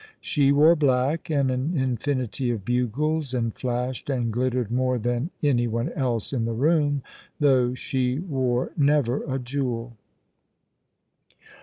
She wore black, and an infinity of bugles, and flashed and glittered more than any one else in the room, though she wore never a jewel.